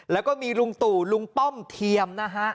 แล้วก็มีลุงตู่ลุงป้อมเทียมนะฮะ